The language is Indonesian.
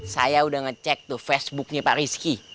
saya udah ngecek tuh facebooknya pak rizky